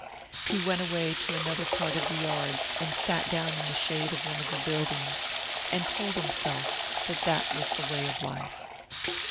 He went away to another part of the yards and sat down in the shade of one of the buildings, and told himself that that was the way of life.